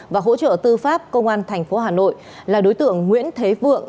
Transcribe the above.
và hỗ trợ tư pháp công an thành phố hà nội là đối tượng nguyễn thế vượng